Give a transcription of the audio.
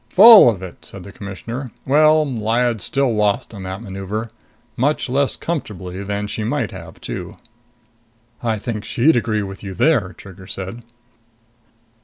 "Full of it," said the Commissioner. "Well, Lyad still lost on that maneuver. Much less comfortably than she might have, too." "I think she'd agree with you there," Trigger said.